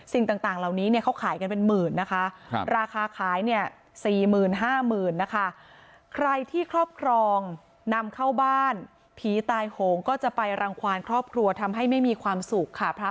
สิ่งต่างเหล่านี้เนี่ยเขาขายกันเป็นหมื่นนะคะราคาขายเนี่ย๔๐๐๐๐๕๐๐๐๐นะคะ